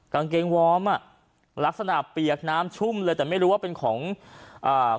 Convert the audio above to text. กางเกงวอร์มอ่ะลักษณะเปียกน้ำชุ่มเลยแต่ไม่รู้ว่าเป็นของอ่า